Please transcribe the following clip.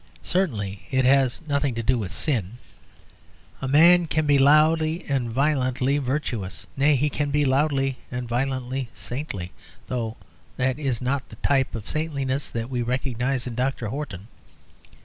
Certainly it has nothing to do with sin; a man can be loudly and violently virtuous nay, he can be loudly and violently saintly, though that is not the type of saintliness that we recognise in Dr. Horton.